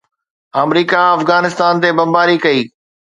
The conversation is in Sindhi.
آمريڪا افغانستان تي بمباري ڪئي.